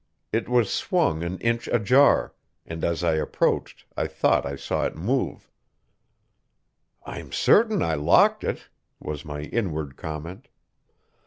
It was swung an inch ajar, and as I approached I thought I saw it move. "I'm certain I locked it," was my inward comment.